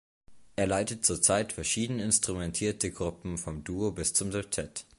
Er leitet zurzeit verschieden instrumentierte Gruppen, vom Duo bis zum Septett.